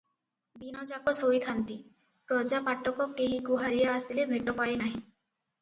ଦିନଯାକ ଶୋଇଥାନ୍ତି, ପ୍ରଜା ପାଟକ କେହି ଗୁହାରିଆ ଆସିଲେ ଭେଟ ପାଏ ନାହିଁ ।